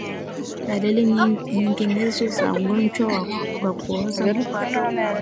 Dalili nyinginezo za ugonjwa wa kuoza kwato kwa ngombe